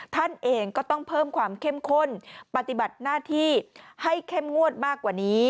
ท่านเองก็ต้องเพิ่มความเข้มข้นปฏิบัติหน้าที่ให้เข้มงวดมากกว่านี้